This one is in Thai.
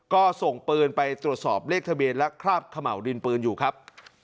ก็ส่งปืนไปตรวจสอบเลขทะเบียนและคราบเขม่าวดินปืนอยู่ครับ